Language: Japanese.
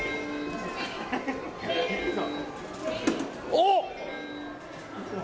おっ！